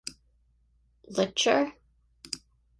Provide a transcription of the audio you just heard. Lichter!